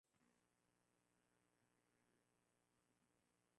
Watu ni wengi kwenye mkutano.